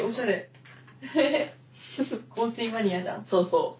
そうそう。